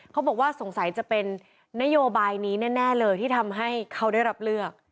เขาบอกว่าสงสัยจะเป็นนโยบายนี้แน่เลยที่ทำให้เขาได้รับเลือก